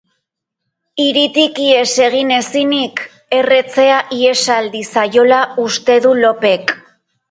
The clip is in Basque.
Hiritik ihes egin ezinik, erretzea ihesaldi zaiola uste du Lopek.